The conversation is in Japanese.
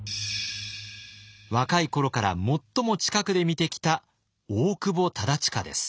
若い頃から最も近くで見てきた大久保忠隣です。